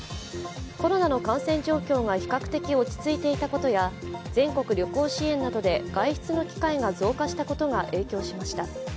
コロナの感染状況が比較的落ち着いていたことや全国旅行支援などで外出の機会が増加したことが影響しました。